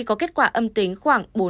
có kết quả âm tính khoảng bốn năm